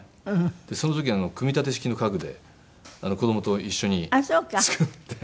でその時組み立て式の家具で子供と一緒に作って。